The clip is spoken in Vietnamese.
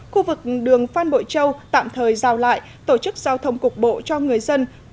khu vực đường phan bội châu tạm thời rào lại tổ chức giao thông cục bộ cho người dân